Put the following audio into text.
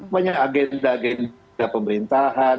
banyak agenda agenda pemerintahan